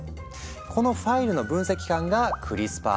このファイルの分析官が「クリスパーＲＮＡ」。